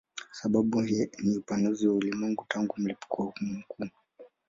Sababu ni upanuzi wa ulimwengu tangu mlipuko mkuu.